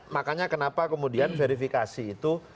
makanya kenapa kemudian verifikasi itu